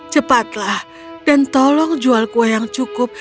cepatlah dan tolong jual kue yang cukup